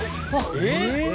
えっ？